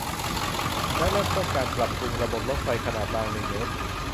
และเริ่มต้นการปรับปรุงระบบรถไฟขนาดรางหนึ่งเมตร